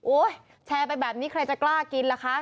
แชร์ไปแบบนี้ใครจะกล้ากินล่ะคะ